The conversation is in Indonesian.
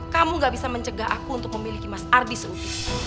kamu gak bisa mencegah aku untuk memiliki mas ardi sufi